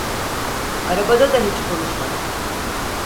Arabada da hiç konuşmadık.